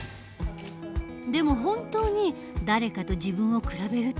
でも本当に誰かと自分を比べるって必要？